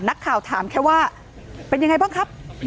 นักข่าวถามแค่ว่าเป็นยังไงบ้างครับ